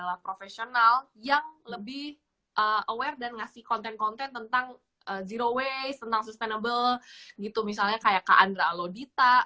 kasih konten konten tentang zero waste aurait tentang stable gitu misalnya kayak andre cloud a ao